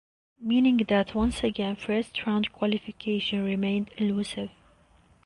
Meaning that once again first round qualification remained elusive.